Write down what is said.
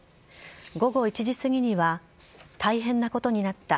午後１時すぎには大変なことになった。